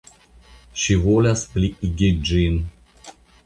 Ŝi volas pliigi ĝin.